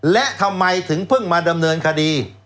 และทำไมถึงเพิ่งมาดำเนินคดี